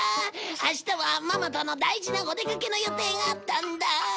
明日はママとの大事なお出かけの予定があったんだ！